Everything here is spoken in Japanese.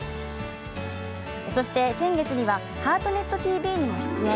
そして先月には「ハートネットＴＶ」にも出演。